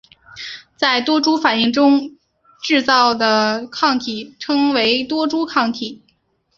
在多株反应中制造的抗体称为多株抗体。